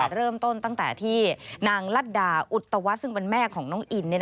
เริ่มต้นตั้งแต่ที่นางลัดดาอุตวัฒน์ซึ่งเป็นแม่ของน้องอิน